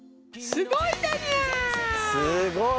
すごい。